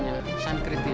saya sudah beritahu